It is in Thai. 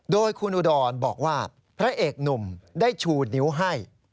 โดยคุณอุดรบอกว่าพระเอกหนุ่มได้ชูนิ้วให้